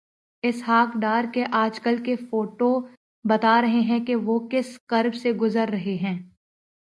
اسحاق ڈار کے آج کل کے فوٹوبتا رہے ہیں کہ وہ کس کرب سے گزر رہے ہیں۔